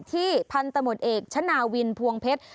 พันธมตเอกชนะวินพวงเพชร